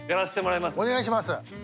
お願いします。